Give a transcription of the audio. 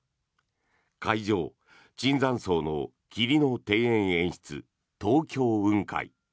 会場、椿山荘の霧の庭園演出「東京雲海」。